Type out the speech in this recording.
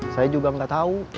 saya juga nggak tahu